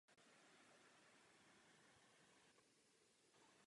Druhý den provedou rychlý test jejích očí.